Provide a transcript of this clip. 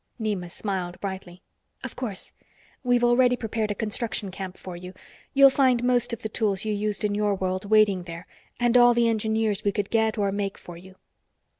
Nema smiled brightly. "Of course. We've already prepared a construction camp for you. You'll find most of the tools you used in your world waiting there and all the engineers we could get or make for you."